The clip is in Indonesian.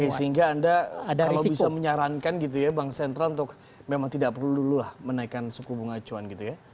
oke sehingga anda kalau bisa menyarankan gitu ya bank sentral untuk memang tidak perlu dulu lah menaikkan suku bunga acuan gitu ya